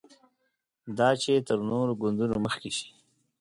دا چې تر نورو ګوندونو مخکې شي.